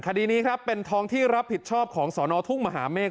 คดีนี้ครับเป็นท้องที่รับผิดชอบของสอนอทุ่งมหาเมฆ